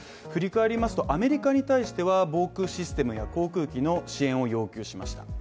振り返りますと、アメリカに対しては防空システムや航空機の支援を要求きました。